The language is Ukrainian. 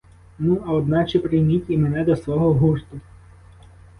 Ну, а одначе прийміть і мене до свого гурту!